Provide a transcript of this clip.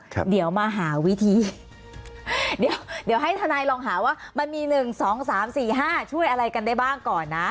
เดี๋ยวมาหาวิธีเดี๋ยวเดี๋ยวให้ทนายลองหาว่ามันมีหนึ่งสองสามสี่ห้าช่วยอะไรกันได้บ้างก่อนนะ